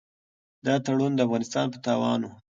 دا تړون د افغانستان په تاوان و.